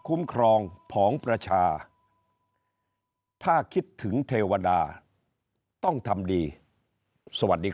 คุ้มครองผองประชาถ้าคิดถึงเทวดาต้องทำดีสวัสดีครับ